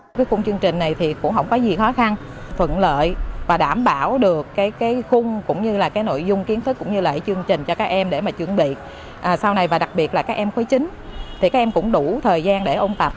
cái khung chương trình này thì cũng không có gì khó khăn thuận lợi và đảm bảo được cái khung cũng như là cái nội dung kiến thức cũng như là chương trình cho các em để mà chuẩn bị sau này và đặc biệt là các em khối chín thì các em cũng đủ thời gian để ôn tập